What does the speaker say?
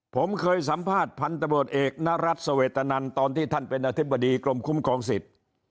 ผมเคยสัมภาษณ์พันธบทเอกนรัฐสเวตนันตอนที่ท่านเป็นอธิบดีกรมคุ้มครองสิทธิ์